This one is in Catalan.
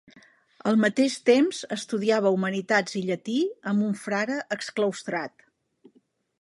Al mateix temps, estudiava humanitats i llatí amb un frare exclaustrat.